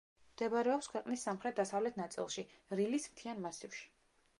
მდებარეობს ქვეყნის სამხრეთ-დასავლეთ ნაწილში, რილის მთიან მასივში.